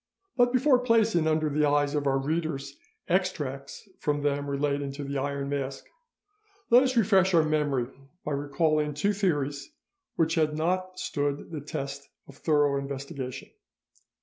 But before placing under the eyes of our readers extracts from them relating to the Iron Mask, let us refresh our memory by recalling two theories which had not stood the test of thorough investigation.